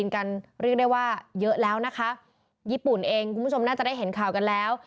กันเรียกได้ว่าเยอะแล้วนะคะญี่ปุ่นเองคุณผู้ชมน่าจะได้เห็นข่าวกันแล้ว